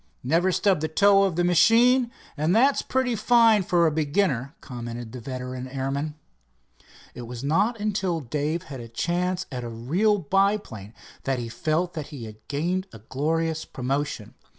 "Never stubbed the toe of the machine, and that's pretty fine for a beginner," commented the veteran airman. It was not until Dave had a chance at a real biplane that he felt that he had gained a glorious promotion.